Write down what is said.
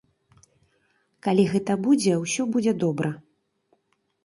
Калі гэта будзе, усё будзе добра.